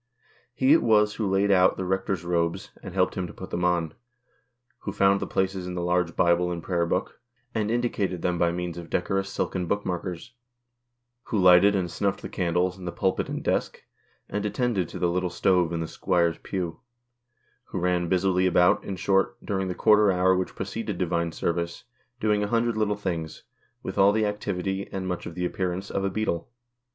He it was who laid out the Rector's robes, and helped him to put them on ; who found the places in the large Bible and Prayer Book, and indi cated them by means of decorous silken book markers; who lighted and snufiEed the candles in the pulpit and desk, and attended to the little stove in the squire's pew ; who ran busily about, in short, during the quarter hour which preceded Divine Service, doing a hundred little things, with all the activity, and much of the appear ance, of a beetle.